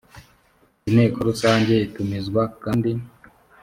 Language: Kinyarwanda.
inteko rusange itumizwa kandi